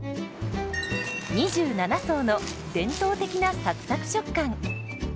２７層の伝統的なサクサク食感。